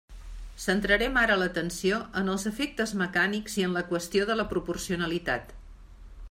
Centrarem ara l'atenció en els efectes mecànics i en la qüestió de la proporcionalitat.